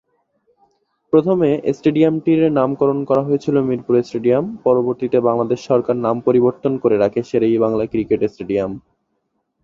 প্রথমে স্টেডিয়ামটির নামকরণ করা হয়েছিল মিরপুর স্টেডিয়াম, পরবর্তীতে বাংলাদেশ সরকার নাম পরিবর্তন করে রাখে শের-ই-বাংলা ক্রিকেট স্টেডিয়াম।